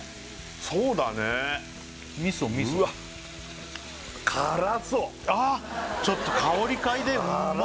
そうだね味噌味噌うわっ辛そうああっちょっと香りかいでうま